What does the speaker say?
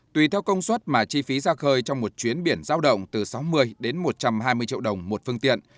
tùy theo công suất mà chi phí ra khơi trong một chuyến biển giao động từ sáu mươi đến một trăm hai mươi triệu đồng một phương tiện